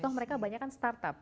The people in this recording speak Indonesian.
toh mereka banyak kan startup